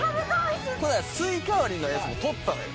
これスイカ割りのやつも撮ったのよ